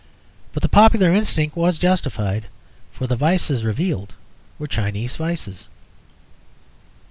But the popular instinct was justified, for the vices revealed were Chinese vices.